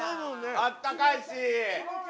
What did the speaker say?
あったかいし。